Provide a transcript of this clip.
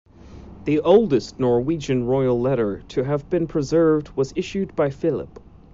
The oldest Norwegian royal letter to have been preserved was issued by Philip.